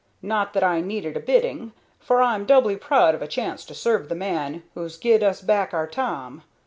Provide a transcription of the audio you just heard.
Not that I needed a bidding, for I'm doubly proud of a chance to serve the man who's gied us back our Tom.